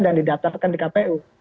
dan didatarkan di kpu